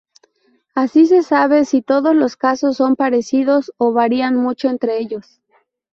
Así se sabe si todos los casos son parecidos o varían mucho entre ellos.